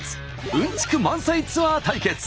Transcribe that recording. うんちく満載ツアー対決。